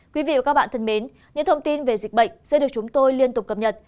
quý vị và các bạn thân mến những thông tin về dịch bệnh sẽ được chúng tôi liên tục cập nhật